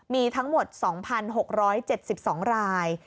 มีทั้งหมด๒๖๗๒ราย